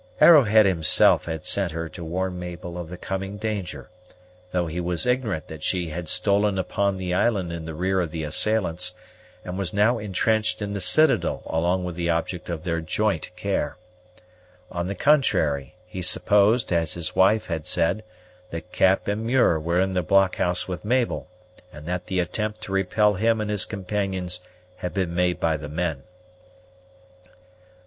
Arrowhead himself had sent her to warn Mabel of the coming danger, though he was ignorant that she had stolen upon the island in the rear of the assailants, and was now intrenched in the citadel along with the object of their joint care. On the contrary, he supposed, as his wife had said, that Cap and Muir were in the blockhouse with Mabel, and that the attempt to repel him and his companions had been made by the men.